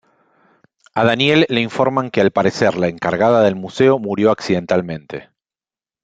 A Daniel le informan que al parecer la encargada del museo murió accidentalmente.